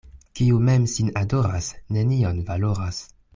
Kiu mem sin adoras, nenion valoras.